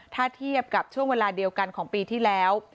ถ้าเทียบกับช่วงเวลาเดียวกันของปีที่แล้ว